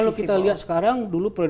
kalau kita lihat sekarang dulu